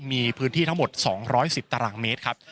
มีพื้นที่ถ้าหมด๒๑๐ตรมครับ